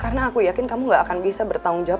karena aku yakin kamu gak akan bisa bertanggung jawab